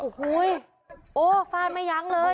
โอ้โหฟานไม่ยังเลย